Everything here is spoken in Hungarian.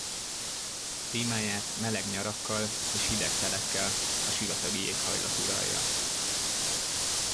Klímáját meleg nyarakkal és hideg telekkel a sivatagi éghajlat uralja.